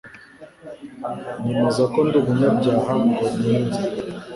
nyemeza ko ndi umunyabyaha Ngo Ninze